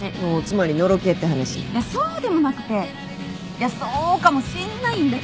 いやそうかもしんないんだけど。